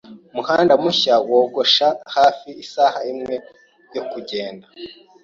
Umuhanda mushya wogosha hafi isaha imwe yo kugenda.